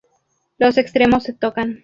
Los extremos se tocan